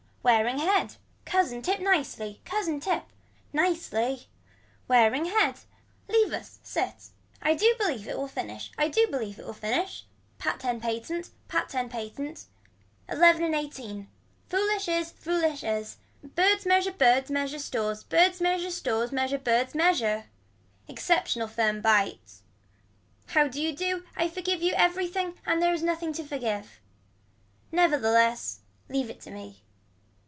Wearing head. Cousin tip nicely. Cousin tip. Nicely. Wearing head. Leave us sit. I do believe it will finish, I do believe it will finish. Pat ten patent, Pat ten patent. Eleven and eighteen. Foolish is foolish is. Birds measure birds measure stores birds measure stores measure birds measure. Exceptional firm bites. How do you do I forgive you everything and there is nothing to forgive. Never the less. Leave it to me.